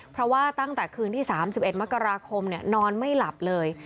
เพราะว่าตั้งแต่คืนที่๓๑มกราคมนอนไม่หลับเลย